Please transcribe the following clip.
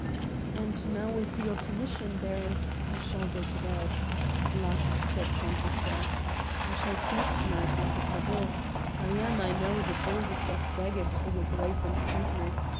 "And now with your permission, Baron, I shall go to bed," at last said Count Victor. "I shall sleep to night, like a sabot. I am, I know, the boldest of beggars for your grace and kindness.